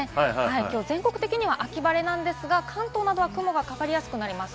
きょう全国的には秋晴れなんですが、関東などは雲がかかりやすくなります。